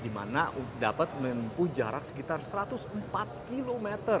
dimana dapat menempuh jarak sekitar satu ratus empat km